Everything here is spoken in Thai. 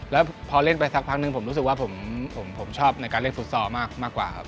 แล้วพอเล่นไปสักพักนึงผมรู้สึกว่าผมชอบในการเล่นฟุตซอลมากกว่าครับ